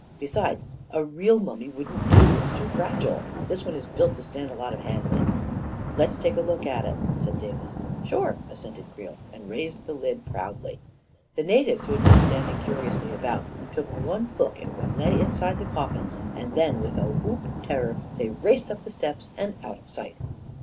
Besides, a real mummy wouldn't do. It's too fragile. This one is built to stand a lot of handling." " Let's take a look at it," said Davis. "Sure," assented Creel, and raised the lid proudly. The natives, who had been standing curiously about, took one look at what lay inside the coffin, and then, with a whoop of terror, raced up the steps and out of sight.